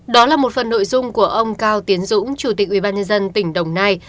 đó là một phần nội dung của ông cao tiến dũng chủ tịch ubnd tỉnh đồng nai